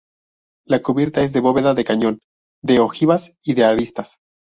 La cubierta es de bóveda de cañón, de ojivas y de aristas.